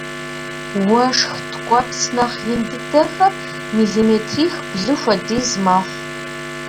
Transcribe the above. Уэшх ткӏуэпс нэхъ ин дыдэхэр миллиметрих-блы хуэдиз мэхъу.